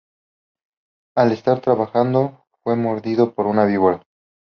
Al estar trabajando, fue mordido por una víbora.